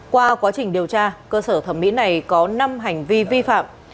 qua quá trình điều tra cơ sở thẩm mỹ này có năm hành vi vi phạm